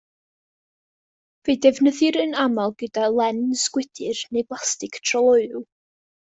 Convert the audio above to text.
Fe'i defnyddir yn aml gyda lens gwydr neu blastig tryloyw.